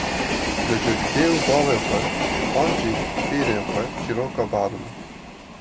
lê ji dê û bavê xwe an ji pîrên xwe çîroka bielime